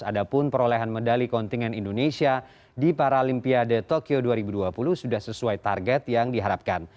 adapun perolehan medali kontingen indonesia di paralimpiade tokyo dua ribu dua puluh sudah sesuai target yang diharapkan